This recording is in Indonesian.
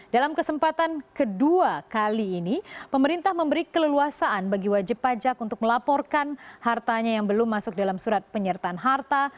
dalam kesempatan kedua kali ini pemerintah memberi keleluasaan bagi wajib pajak untuk melaporkan hartanya yang belum masuk dalam surat penyertaan harta